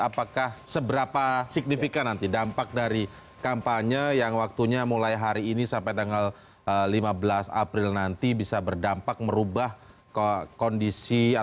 apakah seberapa signifikan nanti dampak dari kampanye yang waktunya mulai hari ini sampai tanggal lima belas april nanti bisa berdampak merubah kondisi